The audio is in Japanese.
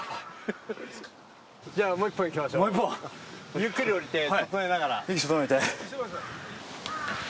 ゆっくり下りて整えながら。